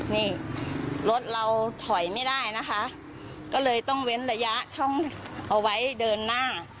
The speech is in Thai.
นี่รถเราถอยไม่ได้นะคะก็เลยต้องเว้นระยะช่องเอาไว้เดินหน้า